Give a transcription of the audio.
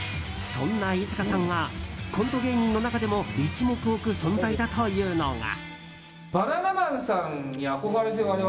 そんな飯塚さんがコント芸人の中でも一目置く存在だというのが。